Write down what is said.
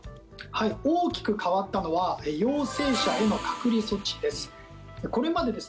大きく変わったのは陽性者への隔離措置です。